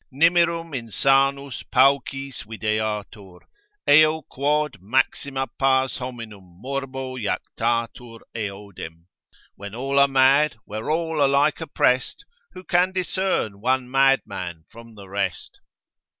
Nimirum insanus paucis videatur; eo quod Maxima pars hominum morbo jactatur eodem. When all are mad, where all are like opprest Who can discern one mad man from the rest?